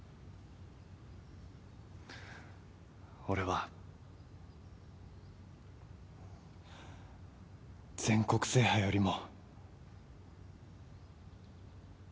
俺は全国制覇よりも。